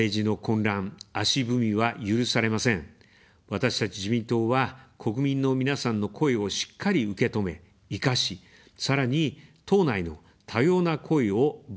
私たち自民党は、国民の皆さんの声をしっかり受け止め、活かし、さらに、党内の多様な声をぶつけ合います。